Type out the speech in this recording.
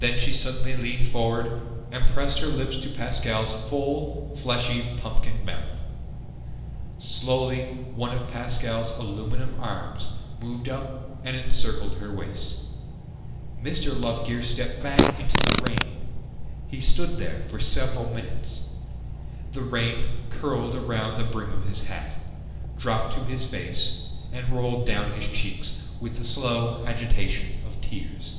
Then she suddenly leaned forward and pressed her lips to Pascal's full, fleshy pumpkin mouth. Slowly, one of Pascal's aluminum arms moved up and encircled her waist. Mr. Lovegear stepped back into the rain. He stood there for several minutes. The rain curled around the brim of his hat, dropped to his face, and rolled down his cheeks with the slow agitation of tears.